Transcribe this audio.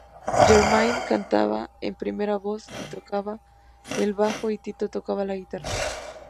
Jermaine cantaba en primera voz y tocaba el bajo, y Tito tocaba la guitarra.